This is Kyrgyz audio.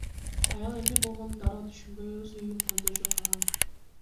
Аял эмне болгонун дароо түшүнбөй, өз үйүн көздөй чуркаган.